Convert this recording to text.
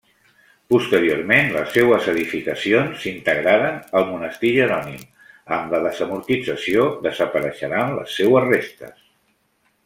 Posteriorment les seues edificacions s'integraren al monestir jerònim, amb la desamortització desapareixeran les seues restes.